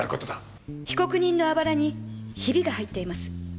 被告人の肋にヒビが入ってます。